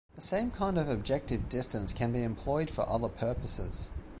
The same kind of objective distance can be employed for other purposes.